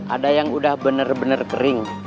ada yang udah bener bener kering